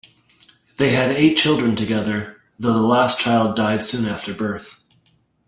They had eight children together, though the last child died soon after birth.